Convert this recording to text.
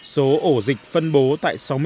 số ổ dịch phân bố tại sáu